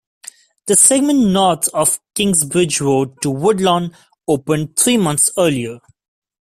The segment north of Kingsbridge Road to Woodlawn opened three months earlier.